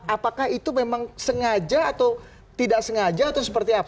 apakah itu memang sengaja atau tidak sengaja atau seperti apa